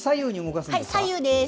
左右です。